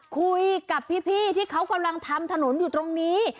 คุยกับพี่ที่เขากำลังทำถนนอยู่ตรงนี้